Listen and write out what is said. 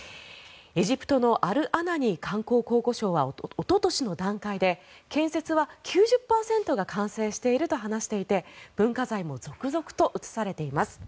エジプトのアル・アナニ観光・考古相はおととしの段階で建設は９０％が完成していると話していて文化財も続々と移されています。